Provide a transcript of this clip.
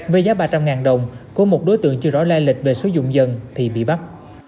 với giá ba trăm linh đồng của một đối tượng chưa rõ lai lịch về sử dụng dân thì bị bắt